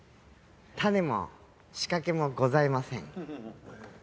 種も仕掛けもございません。